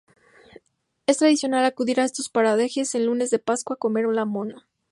Es tradicional acudir a estos parajes el Lunes de Pascua a comer la mona.